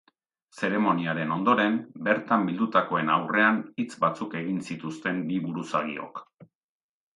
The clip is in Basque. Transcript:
Zeremoniaren ondoren, bertan bildutakoen aurrean hitz batzuk egin zituzten bi buruzagiok.